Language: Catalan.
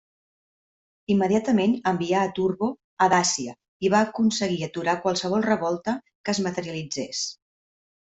Immediatament envià a Turbo a Dàcia i va aconseguir aturar qualsevol revolta que es materialitzés.